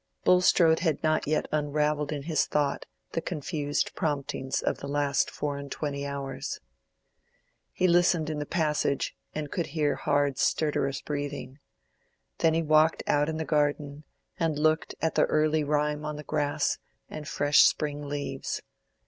Bulstrode had not yet unravelled in his thought the confused promptings of the last four and twenty hours. He listened in the passage, and could hear hard stertorous breathing. Then he walked out in the garden, and looked at the early rime on the grass and fresh spring leaves.